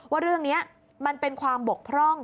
ว่าเรื่องนี้มันเป็นความบกพร่อง